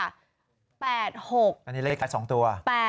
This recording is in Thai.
อันนี้เลข๒ตัว